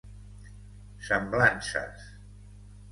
Semblances: